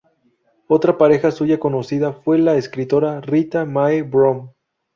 Otra pareja suya conocida fue la escritora Rita Mae Brown.